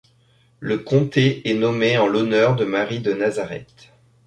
Le comté est nommé en l'honneur de Marie de Nazareth.